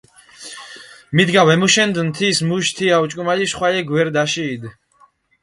მიდგა ვემუშენდუნ, თის მუშ თია ოჭკომალიშ ხვალე გვერდი აშიიდჷ.